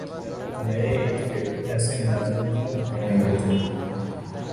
تو میرے ارد گرد ایسے مناظر کیوں دکھائی نہیں دیتے؟